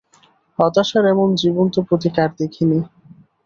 হতাশার এমন জীবন্ত প্রতীক আর দেখিনি।